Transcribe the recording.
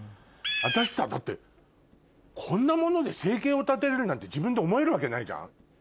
私さだってこんなもので生計を立てられるなんて自分で思えるわけないじゃん。